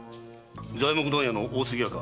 材木問屋の大杉屋か。